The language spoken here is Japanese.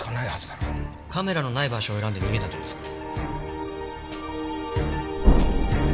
カメラのない場所を選んで逃げたんじゃないですか？